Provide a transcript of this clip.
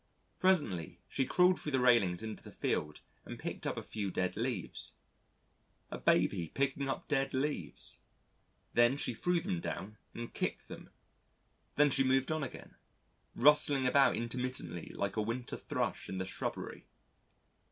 Presently, she crawled through the railings into the field and picked up a few dead leaves a baby picking up dead leaves! Then she threw them down, and kicked them. Then moved on again rustling about intermittently like a winter Thrush in the shrubbery.